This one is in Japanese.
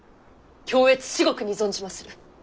恐悦至極に存じまする！